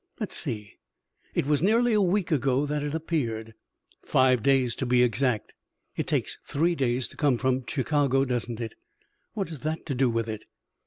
"Let's see! It was nearly a week ago that it appeared." "Five days, to be exact." "It takes three days to come from Chicago, doesn't it?" "What has that to do with it?"